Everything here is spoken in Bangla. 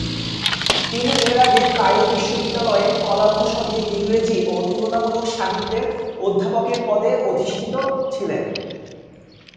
তিনি এর আগে কায়রো বিশ্ববিদ্যালয়ের কলা অনুষদে ইংরেজি ও তুলনামূলক সাহিত্যের অধ্যাপকের পদে অধিষ্ঠিত ছিলেন।